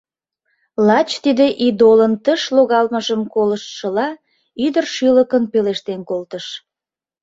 Лач тиде идолын тыш логалмыжым колыштшыла, ӱдыр шӱлыкын пелештен колтыш: